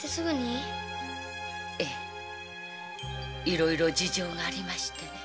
いろいろ事情がありましてね。